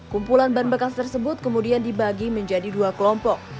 kumpulan ban bekas tersebut kemudian dibagi menjadi dua kelompok